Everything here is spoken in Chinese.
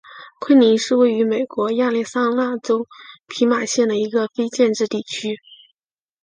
昆林是位于美国亚利桑那州皮马县的一个非建制地区。